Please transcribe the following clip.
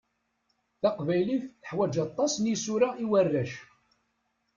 Taqbaylit teḥwaǧ aṭas n isura i warrac.